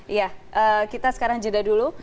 iya kita sekarang jeda dulu